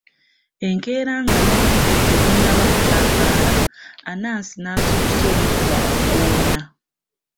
Enkeera nga n'obudde tebunnaba kutangaala, Anansi n'azuukusa omu ku bawaggoonya .